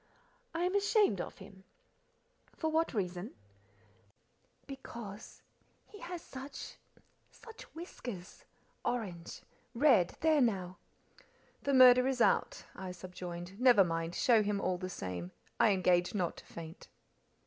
"I am ashamed of him." "For what reason?" "Because—because" (in a whisper) "he has such—such whiskers, orange—red—there now!" "The murder is out," I subjoined. "Never mind, show him all the same; I engage not to faint."